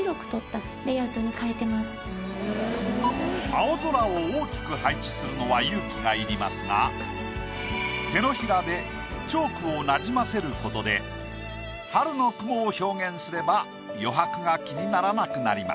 青空を大きく配置するのは勇気がいりますが手のひらでチョークをなじませることで春の雲を表現すれば余白が気にならなくなります。